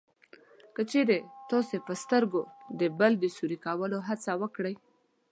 که چېرې تاسې په سترګو د بل د سوري کولو هڅه وکړئ